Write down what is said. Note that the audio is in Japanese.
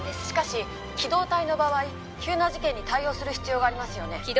しかし機動隊の場合急な事件に対応する必要がありますよね